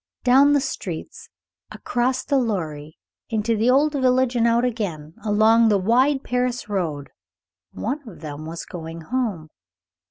Down the streets, across the Loire, into the old village and out again, along the wide Paris road, one of them was going home.